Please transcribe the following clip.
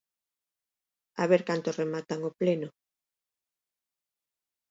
A ver cantos rematan o pleno.